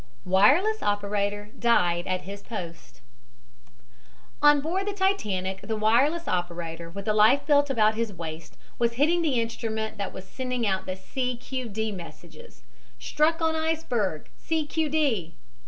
WIRELESS OPERATOR DIED AT HIS POST On board the Titanic, the wireless operator, with a life belt about his waist, was hitting the instrument that was sending out C. Q. D., messages, "Struck on iceberg, C. Q. D."